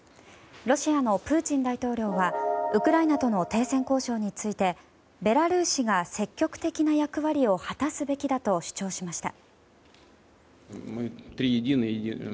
ロシアのプーチン大統領はウクライナとの停戦交渉についてベラルーシが積極的な役割を果たすべきだと主張しました。